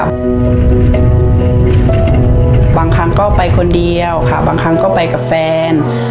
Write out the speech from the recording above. บางครั้งก็ไปคนเดียวค่ะบางครั้งก็ไปกับแฟน